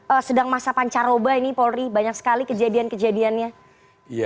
sebenarnya sedang masa pancar oba ini polri banyak sekali kejadian kejadiannya